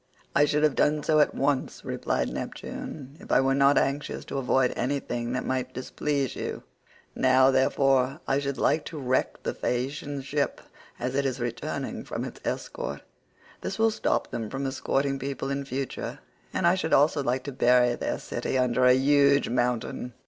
"I should have done so at once," replied Neptune, "if I were not anxious to avoid anything that might displease you; now, therefore, I should like to wreck the Phaeacian ship as it is returning from its escort. This will stop them from escorting people in future; and I should also like to bury their city under a huge mountain."